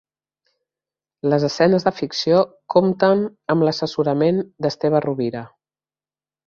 Les escenes de ficció compten amb l'assessorament d'Esteve Rovira.